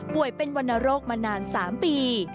เป็นวรรณโรคมานาน๓ปี